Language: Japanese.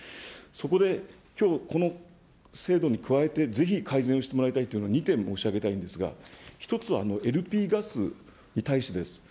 そこできょう、この制度に加えて、ぜひ改善してもらいたいというのを２点申し上げたいんですが、１つはＬＰガスに対してです。